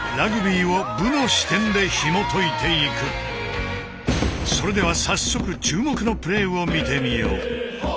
今回はそれでは早速注目のプレーを見てみよう。